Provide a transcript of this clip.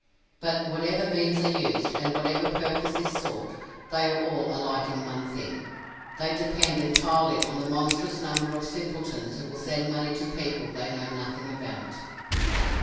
But whatever means are used, and whatever purpose is sought, they are all alike in one thing they depend entirely on the monstrous number of simpletons who will send money to people they know nothing about.